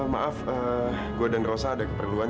maaf gue dan rosa ada keperluan